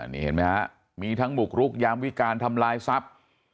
นี่เห็นไหมฮะมีทั้งบุกรุกยามวิการทำลายทรัพย์